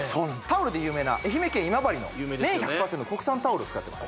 タオルで有名な愛媛県今治の綿１００％の国産タオル使ってます